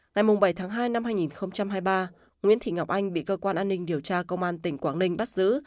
ngày bảy tháng hai năm hai nghìn hai mươi ba nguyễn thị ngọc anh bị cơ quan an ninh điều tra công an tỉnh quảng ninh bắt giữ